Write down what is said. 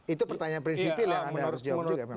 itu pertanyaan prinsipil ya anda harus jawab juga pak wimer